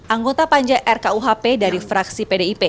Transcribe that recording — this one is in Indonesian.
anggota panja rkuhp dari fraksi pdip